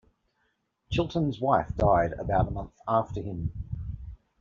Chilton's wife died about a month after him.